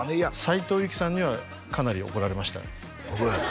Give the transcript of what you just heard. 斉藤由貴さんにはかなり怒られました怒られた？